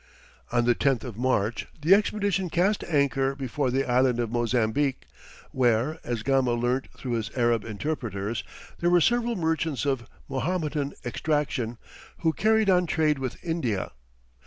On the 10th of March the expedition cast anchor before the Island of Mozambique, where, as Gama learnt through his Arab interpreters, there were several merchants of Mahometan extraction, who carried on trade with India.